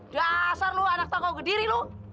dasar lo anak toko gede diri lo